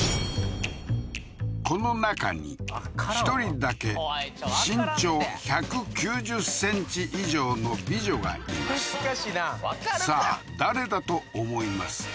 この中に１人だけ身長１９０ｃｍ以上の美女がいますさあ誰だと思いますか？